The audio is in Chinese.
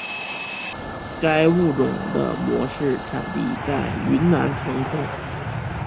该物种的模式产地在云南腾冲。